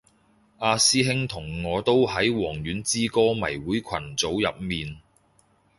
阿師兄同我都喺王菀之歌迷會群組入面